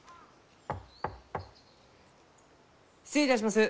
失礼いたします。